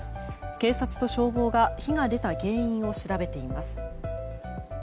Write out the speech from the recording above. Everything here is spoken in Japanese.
警察と消防が火が出た原因を調べています。